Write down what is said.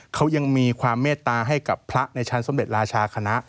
เขายังมีความเมตตาให้กับพระในชั้นสมเด็จราชาคณะ